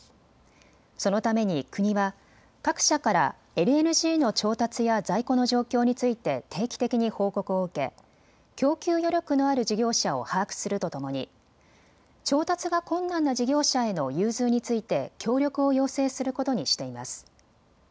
そのために国は各社からＬＮＧの調達や在庫の状況について定期的に報告を受け供給余力のある事業者を把握するとともに調達が困難な事業者への融通について協力を要請することにしています。